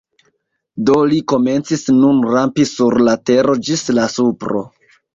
Do li komencis nun rampi sur la tero ĝis la supro.